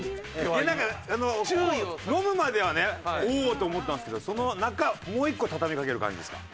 いやなんか飲むまではねおおー！と思ったんですけどその中もう１個畳みかける感じですか？